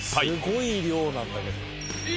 すごい量なんだけど。